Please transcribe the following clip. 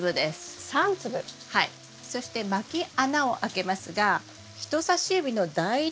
そしてまき穴を開けますが人さし指の第１